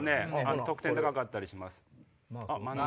得点高かったりします。